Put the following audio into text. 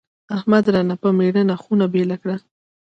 احمد رانه په مړینه خونه بېله کړه.